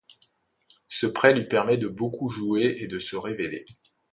Ce prêt lui permet de beaucoup jouer et de se révéler.